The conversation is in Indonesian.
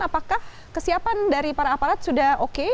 apakah kesiapan dari para aparat sudah oke